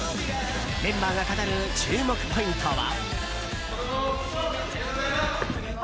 メンバーが語る注目ポイントは？